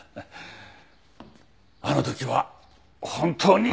あの時は本当に。